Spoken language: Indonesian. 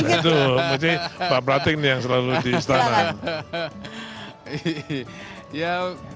itu masih pak pratik nih yang selalu di istana